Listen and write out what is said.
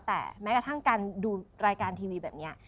แต่แม้กระทั่งการดูรายการทีวีแบบนี้